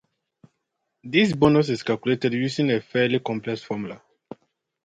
This bonus is calculated using a fairly complex formula.